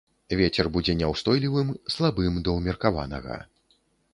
Вецер будзе няўстойлівым, слабым да ўмеркаванага.